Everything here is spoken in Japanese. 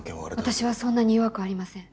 私はそんなに弱くありません。